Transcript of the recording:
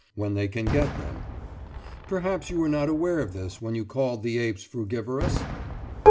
when they can get them. Perhaps you were not aware of this when you called the apes frugivorous?